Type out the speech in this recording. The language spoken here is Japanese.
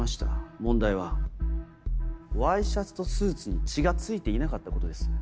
問題はワイシャツとスーツに血が付いていなかったことです。